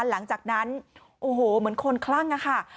หลังจากนั้นโอ้โหเหมือนคนคลั่งอะค่ะ